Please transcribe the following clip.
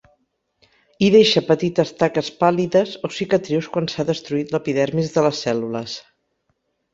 Hi deixa petites taques pàl·lides o cicatrius quan s’ha destruït l’epidermis de les cèl·lules.